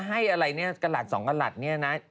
ให้อะไรเนี่ยกอลัจ๒ก้าหลัดนี่น่ะ